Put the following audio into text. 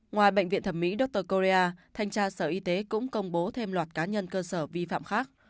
ngoài bệnh viện thẩm mỹ dotrcoria thanh tra sở y tế cũng công bố thêm loạt cá nhân cơ sở vi phạm khác